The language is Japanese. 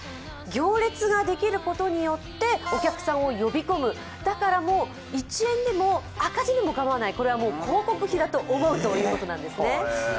行列ができることによってお客さんを呼び込むだから１円でも赤字でもかまわないこれはもう広告費だと思うということなんですね。